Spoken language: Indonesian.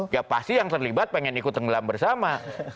ya pasti yang terlibat pengen ikut tenggelam bersama